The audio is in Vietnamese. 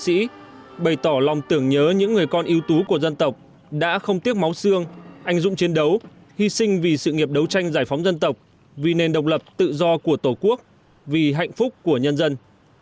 trước anh linh chủ tịch hồ chí minh các đồng chí lãnh đạo đảng nhà nước bày tỏ lòng tưởng nhớ những người con yếu tố của dân tộc đã không tiếc máu xương anh dụng chiến đấu hy sinh vì sự nghiệp đấu tranh giải phóng dân tộc vì nền độc lập tự do của tổ quốc vì hạnh phúc của nhân dân